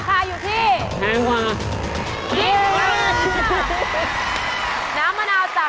แพงกว่า